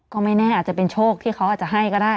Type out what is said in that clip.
ก็ไม่แน่อาจจะเป็นโชคที่เขาอาจจะให้ก็ได้